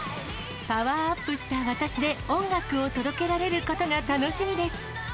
パワーアップした私で音楽を届けられることが楽しみです。